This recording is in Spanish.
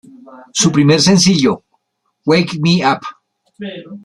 Su primer sencillo "Wake Me Up!